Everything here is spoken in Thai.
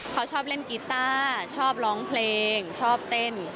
เขาชอบเล่นกีต้าชอบร้องเพลงชอบเต้น